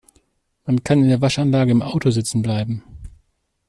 Man kann in der Waschanlage im Auto sitzen bleiben.